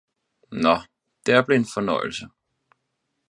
Naa, der blev en Fornøielse!